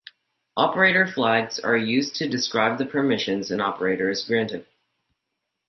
Operator flags are used to describe the permissions an operator is granted.